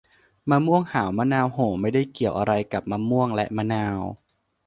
มะม่วงหาวมะนาวโห่ ไม่ได้เกี่ยวอะไรกับมะม่วงและมะนาว